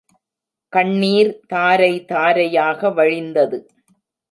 கண்ணீர் தாரை தாரையாக வழிந்தது.